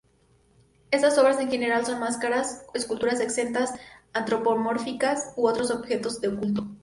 Estas obras en general son máscaras, esculturas exentas antropomórficas u otros objetos de culto.